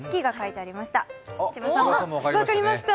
分かりました。